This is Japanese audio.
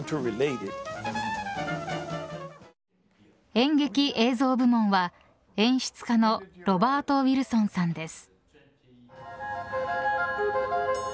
演劇・映像部門は、演出家のロバート・ウィルソンさんです。